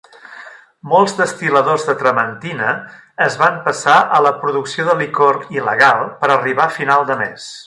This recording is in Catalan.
Molts destil·ladors de trementina es van passar a la producció de licor il·legal per arribar a final de mes.